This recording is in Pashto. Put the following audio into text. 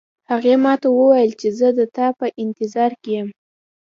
هغې ما ته وویل چې زه د تا په انتظار کې یم